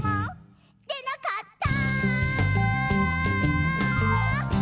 「でなかった！」